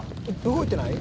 動いてない！？